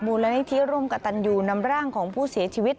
มูลนิธิร่วมกับตันยูนำร่างของผู้เสียชีวิต